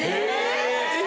え！